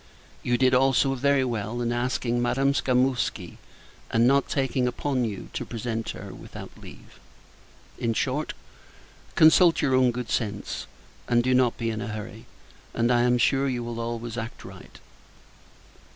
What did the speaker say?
You did, also, very well, in asking Madame Skamouski; and not taking upon you to present her, without leave. In short, consult your own good sense, and do not be in a hurry; and, I am sure, you will always act right.